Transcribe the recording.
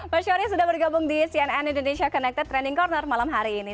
mas yoris sudah bergabung di cnn indonesia connected training corner malam hari ini